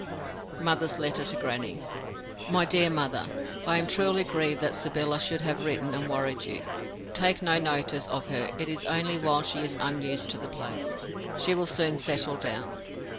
Mother's Letter to Grannie MY DEAR MOTHER, I am truly grieved that Sybylla should have written and worried you. Take no notice of her; it is only while she is unused to the place. She will soon settle down.